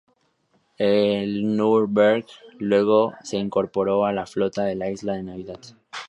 El "Nürnberg" luego se reincorporó a la flota en la Isla de Navidad.